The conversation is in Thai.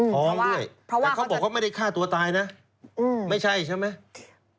พอด้วยแต่เขาบอกว่าไม่ได้ฆ่าตัวตายนะไม่ใช่ใช่ไหม